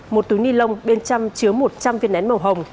một túi ni lông bên trong chứa một trăm linh viên nén màu hồng